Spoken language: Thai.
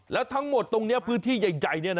แล้วทั้งหมดตรงนี้พื้นที่ใหญ่